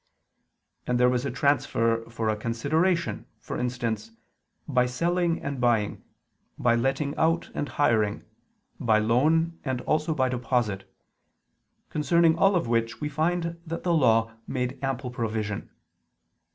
And there was a transfer for a consideration, for instance, by selling and buying, by letting out and hiring, by loan and also by deposit, concerning all of which we find that the Law made ample provision.